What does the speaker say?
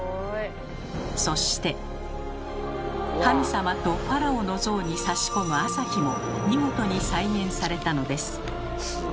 そして神様とファラオの像に差し込む朝日も見事に再現されたのです。